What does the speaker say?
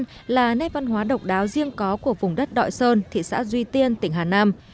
sơn la là nét văn hóa độc đáo riêng có của vùng đất đội sơn thị xã duy tiên tỉnh hà nam